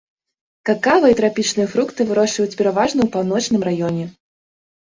Какава і трапічныя фрукты вырошчваюцца пераважна ў паўночным раёне.